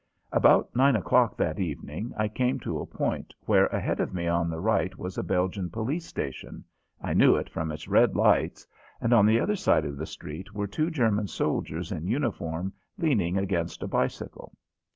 About nine o'clock that evening I came to a point where ahead of me on the right was a Belgian police station I knew it from its red lights and on the other side of the street were two German soldiers in uniform leaning against a bicycle.